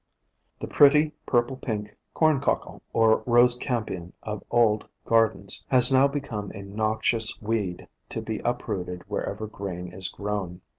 The pretty purple pink Corncockle, or Rose Campion of old rf^JKU^ gardens, has now become a noxious cJb&J/WvJ weed> to be up rooted wherever grain is grown.